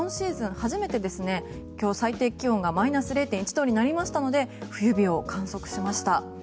初めて今日、最低気温がマイナス０．１度になりましたので冬日を観測しました。